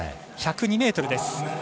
１０２ｍです。